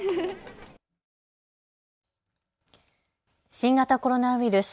新型コロナウイルス。